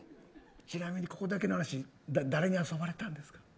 ここだけの話誰に遊ばれたんですか。